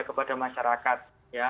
kepada masyarakat ya